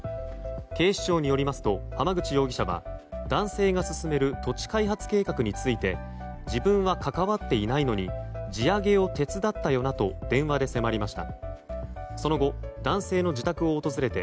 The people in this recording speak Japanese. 警視庁によりますと浜口容疑者は男性が進める土地開発計画について自分は関わっていないのに地上げを手伝ったよなと電話で迫りました。